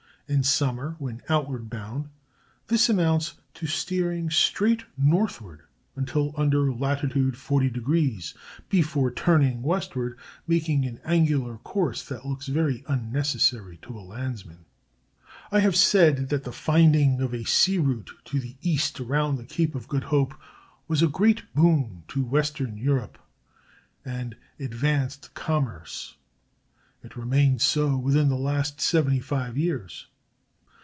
In summer, when outward bound, this amounts to steering straight northward until under latitude forty degrees, before turning westward, making an angular course that looks very unnecessary to a landsman. [Illustration: A "WHALEBACK" FREIGHT STEAMER, ALSO ADAPTED TO PASSENGER SERVICE.] I have said that the finding of a sea route to the East around the Cape of Good Hope was a great boon to western Europe, and advanced commerce. It remained so until within the last seventy five years.